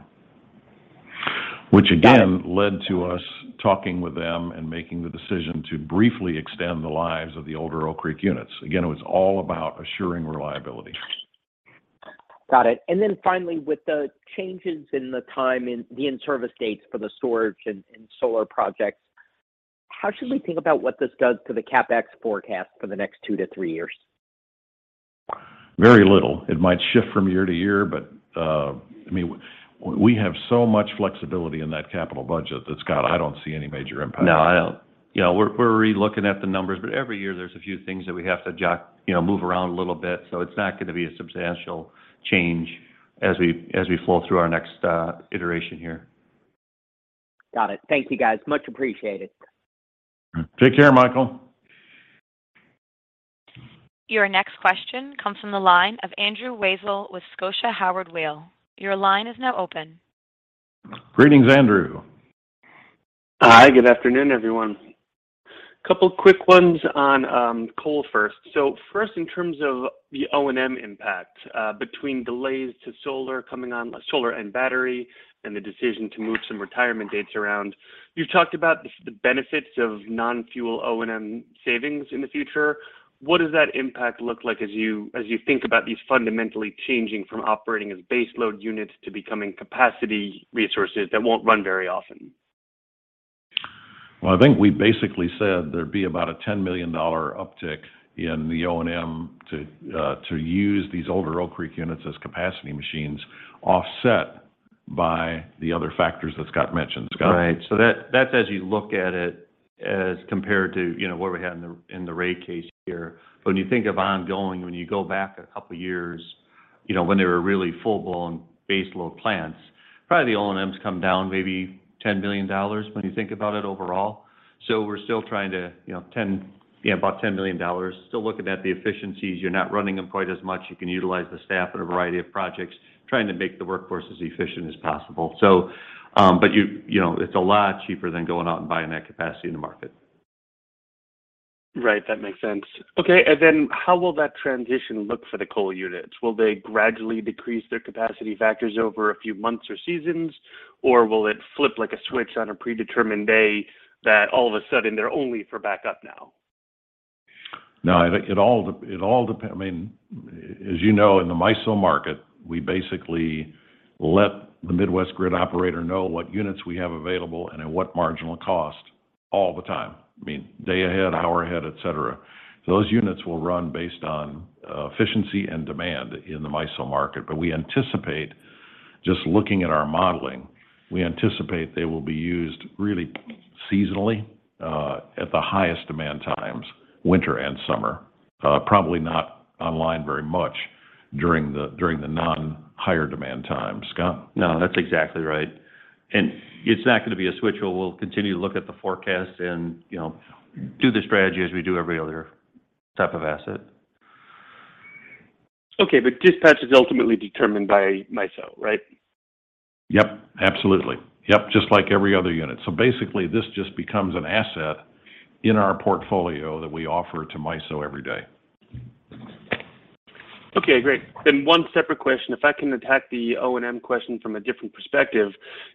Which again, led to us talking with them and making the decision to briefly extend the lives of the older Oak Creek units. Again, it was all about assuring reliability. Got it. Finally, with the changes in the time in the in-service dates for the storage and solar projects, how should we think about what this does to the CapEx forecast for the next 2-3 years? Very little. It might shift from year to year, but, I mean, we have so much flexibility in that capital budget that, Scott, I don't see any major impact. No, I don't. You know, we're relooking at the numbers, but every year there's a few things that we have to adjust, you know, move around a little bit, so it's not gonna be a substantial change as we flow through our next iteration here. Got it. Thank you, guys. Much appreciated. Take care, Michael. Your next question comes from the line of Andrew Weisel with Scotia Howard Weil. Your line is now open. Greetings, Andrew. Hi, good afternoon, everyone. Couple quick ones on coal first. First in terms of the O&M impact, between delays to solar and battery and the decision to move some retirement dates around. You've talked about the benefits of non-fuel O&M savings in the future. What does that impact look like as you think about these fundamentally changing from operating as base load units to becoming capacity resources that won't run very often? Well, I think we basically said there'd be about a $10 million uptick in the O&M to use these older Oak Creek units as capacity machines offset by the other factors that Scott mentioned. Scott? Right. That, that's as you look at it as compared to, you know, what we had in the rate case here. When you think of ongoing, when you go back a couple years, you know, when they were really full-blown base load plants, probably the O&Ms come down maybe $10 million when you think about it overall. We're still trying to, you know, yeah, about $10 million. Still looking at the efficiencies. You're not running them quite as much. You can utilize the staff in a variety of projects, trying to make the workforce as efficient as possible. But you know, it's a lot cheaper than going out and buying that capacity in the market. Right. That makes sense. Okay. How will that transition look for the coal units? Will they gradually decrease their capacity factors over a few months or seasons, or will it flip like a switch on a predetermined day that all of a sudden they're only for backup now? No, I think it all depends. I mean, as you know, in the MISO market, we basically let the Midwest grid operator know what units we have available and at what marginal cost all the time, I mean, day ahead, hour ahead, et cetera. Those units will run based on efficiency and demand in the MISO market. We anticipate, just looking at our modeling, we anticipate they will be used really seasonally at the highest demand times, winter and summer. Probably not online very much during the non-higher demand time. Scott? No, that's exactly right. It's not gonna be a switch. We'll continue to look at the forecast and, you know, do the strategy as we do every other type of asset. Okay, dispatch is ultimately determined by MISO, right? Yep, absolutely. Yep, just like every other unit. Basically this just becomes an asset in our portfolio that we offer to MISO every day. Okay, great. One separate question, if I can attack the O&M question from a different perspective.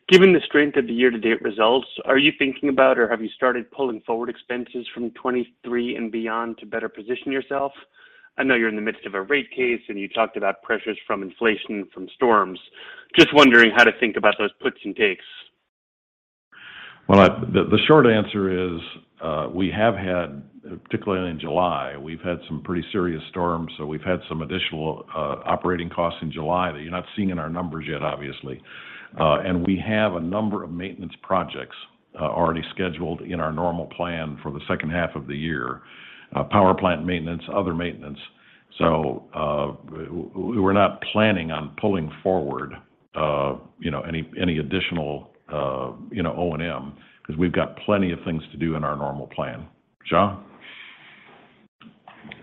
Given the strength of the year-to-date results, are you thinking about or have you started pulling forward expenses from 2023 and beyond to better position yourself? I know you're in the midst of a rate case, and you talked about pressures from inflation, from storms. Just wondering how to think about those puts and takes. Well, the short answer is, we have had, particularly in July, we've had some pretty serious storms, so we've had some additional operating costs in July that you're not seeing in our numbers yet, obviously. We have a number of maintenance projects already scheduled in our normal plan for the second half of the year, power plant maintenance, other maintenance. We're not planning on pulling forward, you know, any additional, you know, O&M because we've got plenty of things to do in our normal plan. John?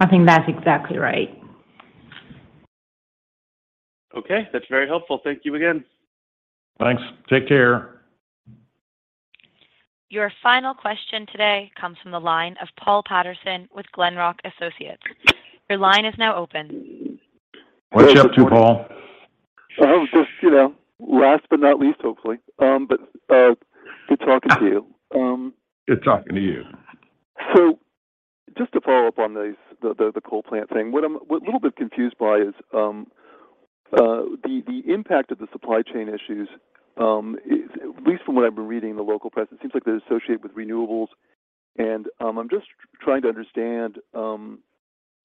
I think that's exactly right. Okay, that's very helpful. Thank you again. Thanks. Take care. Your final question today comes from the line of Paul Patterson with Glenrock Associates. Your line is now open. What you up to, Paul? I was just, you know, last but not least, hopefully. Good talking to you. Good talking to you. Just to follow up on these, the coal plant thing, what I'm a little bit confused by is, the impact of the supply chain issues, at least from what I've been reading in the local press, it seems like they're associated with renewables. I'm just trying to understand,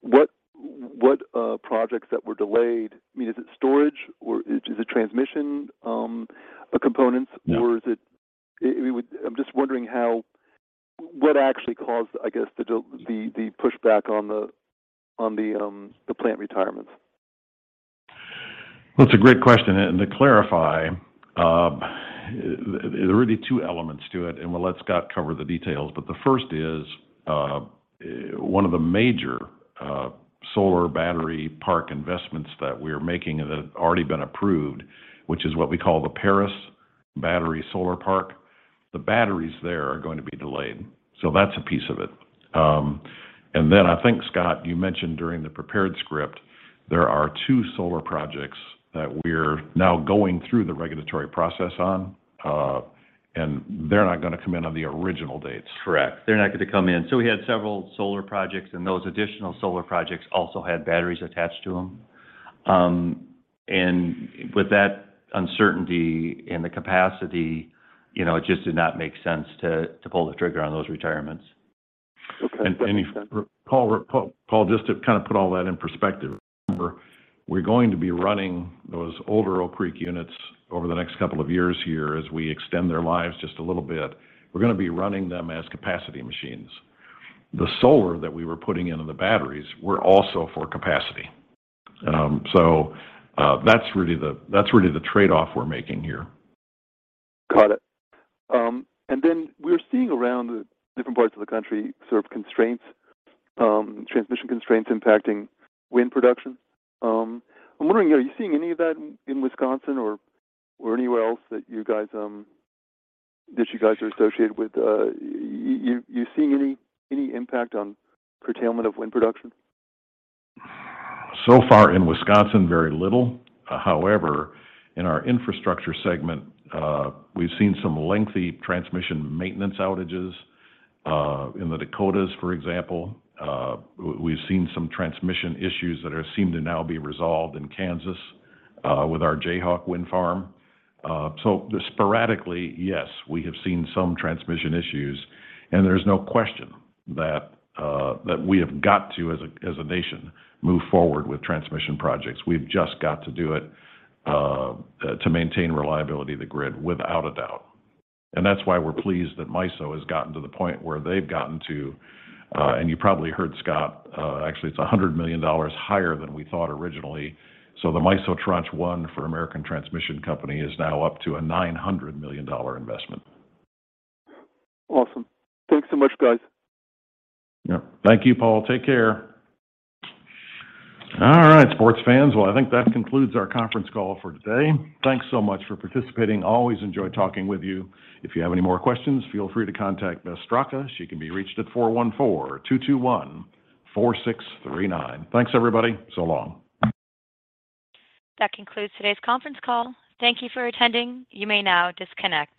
what projects that were delayed. I mean, is it storage or is it transmission, components? No. I'm just wondering what actually caused, I guess, the pushback on the plant retirements? That's a great question. To clarify, there are really two elements to it, and we'll let Scott cover the details. The first is, one of the major solar battery park investments that we're making that have already been approved, which is what we call the Paris Solar-Battery Park, the batteries there are going to be delayed. That's a piece of it. I think, Scott, you mentioned during the prepared script, there are two solar projects that we're now going through the regulatory process on, and they're not gonna come in on the original dates. Correct. They're not going to come in. We had several solar projects, and those additional solar projects also had batteries attached to them. With that uncertainty in the capacity, you know, it just did not make sense to pull the trigger on those retirements. Paul, just to kind of put all that in perspective, remember, we're going to be running those older Oak Creek units over the next couple of years here as we extend their lives just a little bit. We're gonna be running them as capacity machines. The solar that we were putting into the batteries were also for capacity. That's really the trade-off we're making here. Got it. We're seeing around the different parts of the country sort of constraints, transmission constraints impacting wind production. I'm wondering, are you seeing any of that in Wisconsin or anywhere else that you guys are associated with? Are you seeing any impact on curtailment of wind production? So far in Wisconsin, very little. However, in our infrastructure segment, we've seen some lengthy transmission maintenance outages in the Dakotas, for example. We've seen some transmission issues that seem to now be resolved in Kansas with our Jayhawk Wind Farm. Sporadically, yes, we have seen some transmission issues, and there's no question that we have got to, as a nation, move forward with transmission projects. We've just got to do it to maintain reliability of the grid without a doubt. That's why we're pleased that MISO has gotten to the point where they've gotten to, and you probably heard Scott, actually it's $100 million higher than we thought originally. The MISO Tranche One for American Transmission Company is now up to a $900 million investment. Awesome. Thanks so much, guys. Yep. Thank you, Paul. Take care. All right, sports fans. Well, I think that concludes our conference call for today. Thanks so much for participating. Always enjoy talking with you. If you have any more questions, feel free to contact Ms. Straka. She can be reached at 414-221-4639. Thanks, everybody. So long. That concludes today's conference call. Thank you for attending. You may now disconnect.